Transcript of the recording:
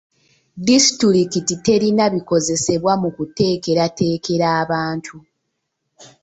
Disitulikiti terina bikozesebwa mu kuteekerateekera abantu.